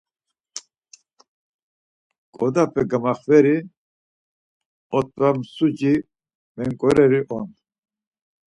Ǩodape gamaxveri, otva msuci menǩoreri on.